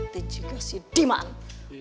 tejika si diman